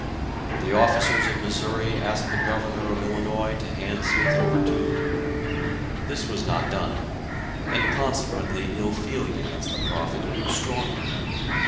The officers of Missouri asked the governor of Illinois to hand Smith over to them. This was not done, and consequently ill feeling against the prophet grew stronger.